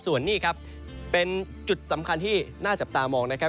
ส่วนนี้ครับเป็นจุดสำคัญที่น่าจับตามองนะครับ